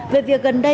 về việc gần đây